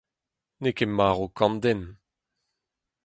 N'eo ket marv kant den.